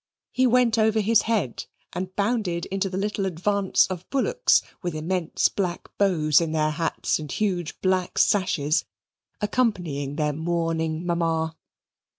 He went over his head and bounded into the little advance of Bullocks, with immense black bows in their hats, and huge black sashes, accompanying their mourning mamma.